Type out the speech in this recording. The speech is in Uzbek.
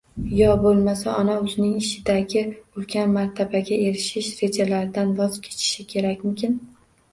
Yo bo‘lmasa ona o‘zining ishdagi ulkan martabaga erishish rejalaridan voz kechishi kerakmikin?